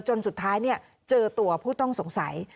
จนสุดท้ายเจอตัวผู้ต้องสงสัย